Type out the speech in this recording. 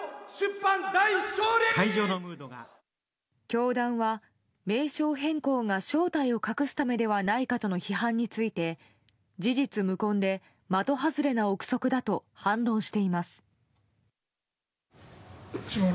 教団は、名称変更が正体を隠すためではないかとの批判について事実無根で的外れな憶測だと反論しています。